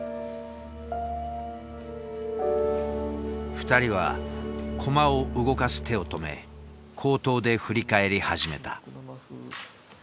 ２人は駒を動かす手を止め口頭で振り返り始めた。